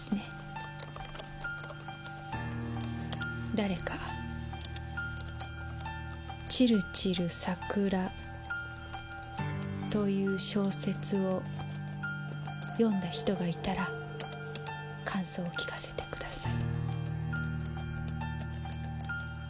誰か「チルチルサクラ」という小説を読んだ人がいたら感想を聞かせてください。